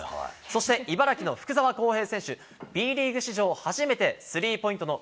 そして茨城の福澤晃平選手、Ｂリーグ史上初めてスリーポイントのＢ２